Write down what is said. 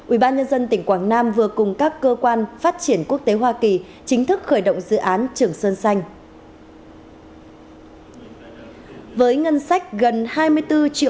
ubnd tỉnh quảng nam vừa cùng các cơ quan phát triển quốc tế hoa kỳ chính thức khởi động dự án trường sơn xanh